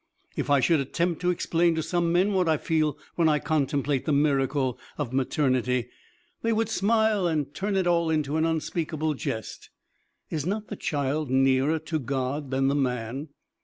If I should attempt to explain to some men what I feel when I contemplate the miracle of maternity, they would smile and turn it all into an unspeakable jest. Is not the child nearer to God than the man?